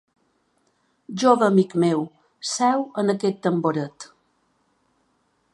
Jove amic meu, seu en aquest tamboret.